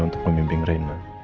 untuk memimpin reina